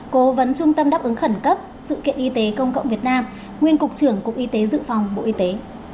cố vấn trung tâm đáp ứng khẩn cấp sự kiện y tế công cộng việt nam nguyên cục trưởng cục y tế dự phòng bộ y tế